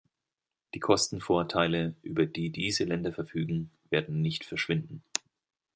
Die Kostenvorteile, über die diese Länder verfügen, werden nicht verschwinden.